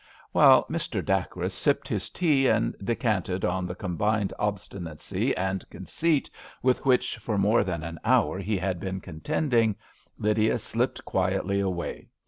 While Mr. Dacres sipped his tea, and descanted on the com bined obstinacy and conceit with \ A RAINY DAY. 1 45 which for more than an hour he had been contending^ Lydia slipped quietly away.